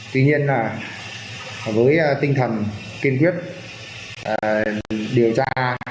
tuy nhiên với tinh thần kiên quyết điều tra